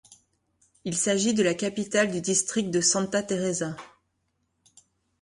Il s'agit de la capitale du district de Santa Teresa.